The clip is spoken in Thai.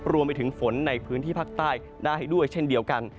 รวมไปถึงฝนในพื้นที่ภาคใต้ได้ด้วยเช่นเดียวกัน